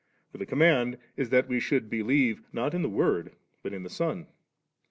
for the command is that we should believe, not in the Word, but in the Son.